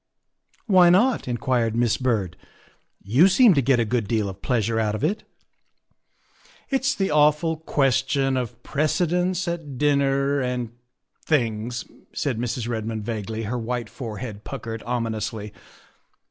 " Why not?" inquired Miss Byrd; " you seem to get a good deal of pleasure out of it." " It's the awful question of precedence at dinner and things, '' said Mrs. Redmond vaguely, her white forehead puckered ominously.